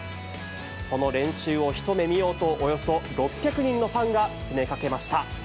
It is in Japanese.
その練習を一目見ようと、およそ６００人のファンが詰めかけました。